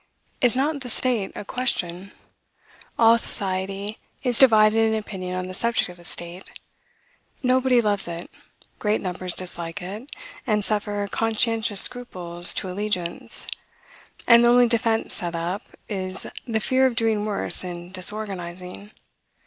Is not the state a question? All society is divided in opinion on the subject of the state. Nobody loves it; great numbers dislike it, and suffer conscientious scruples to allegiance: and the only defense set up, is, the fear of doing worse in disorganizing.